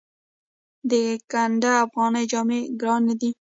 د ګنډ افغاني جامې ګرانې دي؟